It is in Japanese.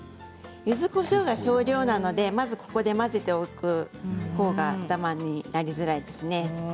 ゆずこしょうが少量なのでまずここで混ぜておくほうがダマになりづらいですね。